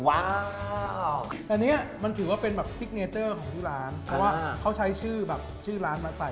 ว้าวแต่เนี้ยมันถือว่าเป็นแบบซิกเนเจอร์ของที่ร้านเพราะว่าเขาใช้ชื่อแบบชื่อร้านมาใส่